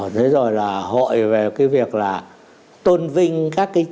thế rồi là hội về cái việc là tôn vinh các cái